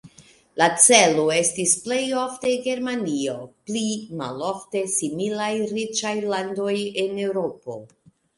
La celo estis plej ofte Germanio, pli malofte similaj riĉaj landoj en Eŭropo.